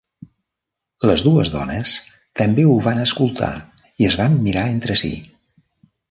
Les dues dones també ho van escoltar i es van mirar entre sí.